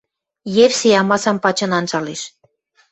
Евсей амасам пачын анжалеш.